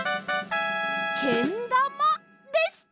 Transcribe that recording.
けんだまでした！